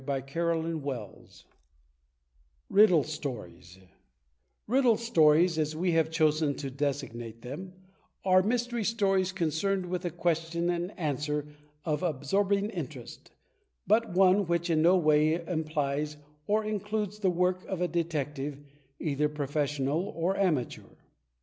\ CHAPTER V RIDDLE STORIES Riddle Stories, as we have chosen to designate them, are Mystery Stories concerned with a question and answer of absorbing interest, but one which in no way implies or in cludes the work of a detective^ either professional or amateur.